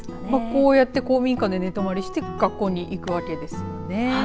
こうやって公民館で寝泊まりして学校に行くわけですよね。